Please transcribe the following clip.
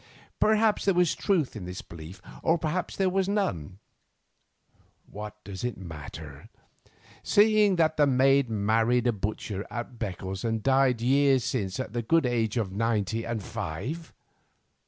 Perhaps there was truth in this belief, or perhaps there was none. What does it matter, seeing that the maid married a butcher at Beccles and died years since at the good age of ninety and five?